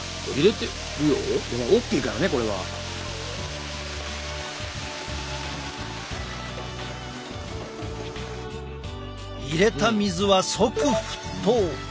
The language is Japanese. おっきいからねこれは。入れた水は即沸騰。